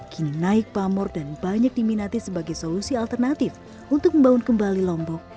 kini naik pamor dan banyak diminati sebagai solusi alternatif untuk membangun kembali lombok